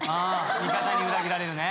味方に裏切られるね。